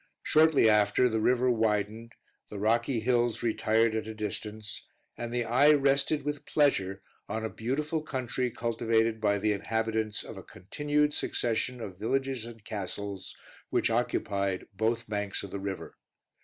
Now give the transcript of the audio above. Shortly after the river widened, the rocky hills retired at a distance, and the eye rested with pleasure on a beautiful country cultivated by the inhabitants of a continued succession of villages and castles which occupied both banks of the river.